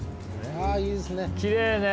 ああいいですね。